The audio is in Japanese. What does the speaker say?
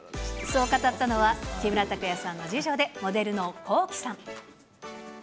そう語ったのは、木村拓哉さんの次女で、モデルのＫｏｋｉ，さん。